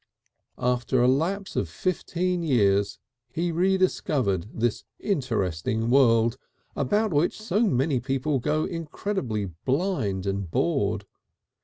After a lapse of fifteen years he rediscovered this interesting world, about which so many people go incredibly blind and bored.